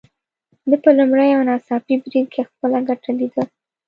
ده په لومړي او ناڅاپي بريد کې خپله ګټه ليده.